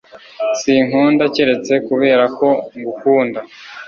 sinkunda keretse kuberako ngukunda